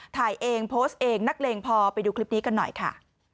ถ่ายเองโพสต์เองนักเลงพอไปดูคลิปนี้กันหน่อยค่ะ